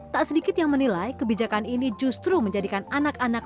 tak sedikit yang menilai kebijakan ini justru menjadikan anak anak